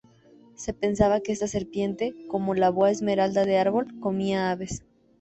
Se pensaba que esta serpiente, como la Boa esmeralda de árbol, comía aves.